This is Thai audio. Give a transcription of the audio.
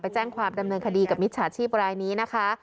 แจ้งความดำเนินคดีกับมิจฉาชีพรายนี้นะคะ